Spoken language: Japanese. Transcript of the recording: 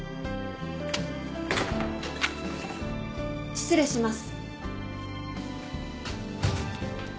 ・失礼します。